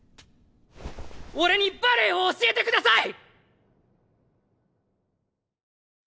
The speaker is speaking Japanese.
俺にバレエを教えてください！